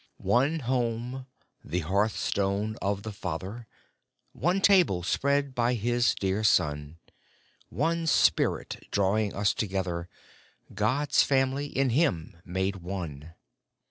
One home, — the hearthstone of the Father ; One table, spread by His dear Son ; One Spirit drawing us together ; God's family in Him made one